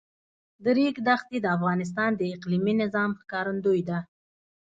د ریګ دښتې د افغانستان د اقلیمي نظام ښکارندوی ده.